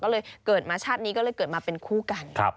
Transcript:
ก็เลยเกิดมาชาตินี้ก็เลยเกิดมาเป็นคู่กัน